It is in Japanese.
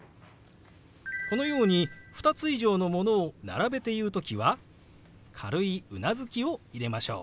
このように２つ以上のものを並べて言う時は軽いうなずきを入れましょう。